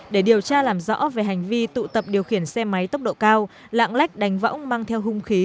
để điều tra làm rõ về hành vi tụ tập điều khiển xe máy tốc độ cao lạng lách đánh võng mang theo hung khí